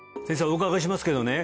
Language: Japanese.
お伺いしますけどね